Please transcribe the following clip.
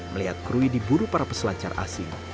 melihat krui diburu para peselancar asing